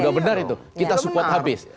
sudah benar itu kita support habis